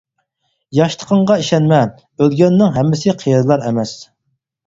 ياشلىقىڭغا ئىشەنمە، ئۆلگەننىڭ ھەممىسى قېرىلار ئەمەس.